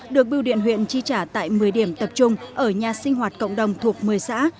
được biêu điện huyện chi trả tại một mươi điểm tập trung ở nhà sinh hoạt cộng đồng thuộc một mươi xã